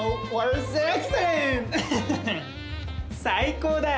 最高だよ！